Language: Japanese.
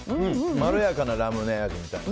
まろやかなラムネ味みたいな。